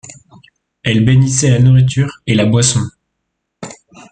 Elle bénissait la nourriture et la boisson.